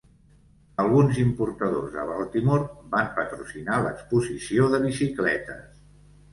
Alguns importadors de Baltimore van patrocinar l'exposició de bicicletes.